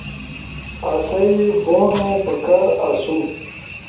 [آسئی بونو پکار آسو]